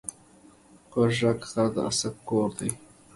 کوږک غر د اڅک کور دی